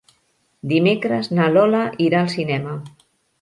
Dimecres na Lola irà al cinema.